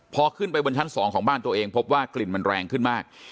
พอขึ้นไปบนชั้น๒ของบ้านตัวเองพบว่ากลิ่นมันแรงขึ้นมาก